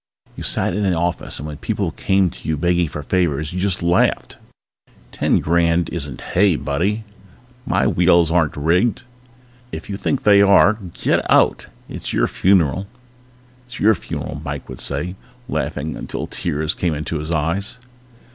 You sat in an office and when people came to you begging for favors you just laughed. Ten grand isn't hay, buddy! My wheels aren't rigged. If you think they are get out. It's your funeral. It's your funeral, Mike would say, laughing until tears came into his eyes.